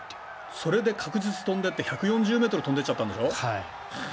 それで確実に飛んでいって１４０ｍ飛んじゃったんでしょ？